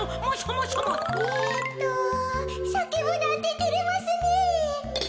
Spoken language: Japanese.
えっとさけぶなんててれますねえ。